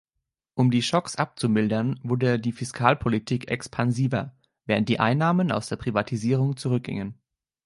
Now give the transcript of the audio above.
Um die Schocks abzumildern wurde die Fiskalpolitik expansiver, während die Einnahmen aus der Privatisierung zurückgingen.